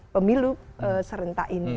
pemilu serentak ini